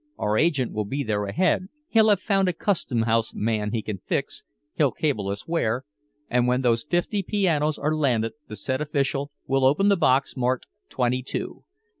Our agent will be there ahead, he'll have found a customhouse man he can fix, he'll cable us where and when those fifty pianos are landed the said official will open the box marked twenty two.